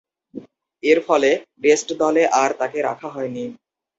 এরফলে, টেস্ট দলে আর তাকে রাখা হয়নি।